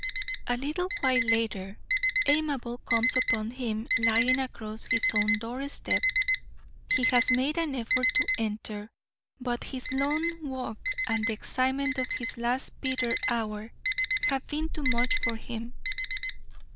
A little while later Amabel comes upon him lying across his own doorstep. He has made an effort to enter, but his long walk and the excitement of this last bitter hour have been too much for him.